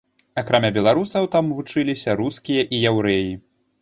Акрамя беларусаў там вучыліся рускія і яўрэі.